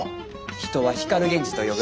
人は光源氏と呼ぶ。